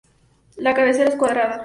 La cabecera es cuadrada.